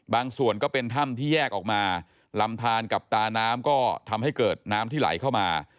ส่วนก็เป็นถ้ำที่แยกออกมาลำทานกับตาน้ำก็ทำให้เกิดน้ำที่ไหลเข้ามา